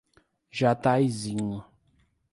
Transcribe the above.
Jataizinho